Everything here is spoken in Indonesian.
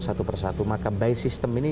satu persatu maka by system ini